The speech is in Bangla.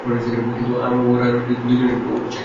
কিন্তু, ওর আর আমার দুজনেরই অভিষেক প্রিয়।